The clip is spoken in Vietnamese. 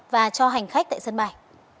và cho hành khách tại sân bay